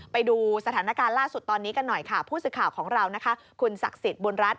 ไปดูสถานการณ์ล่าสุดตอนนี้กันหน่อยค่ะผู้สื่อข่าวของเรานะคะคุณศักดิ์สิทธิ์บุญรัฐ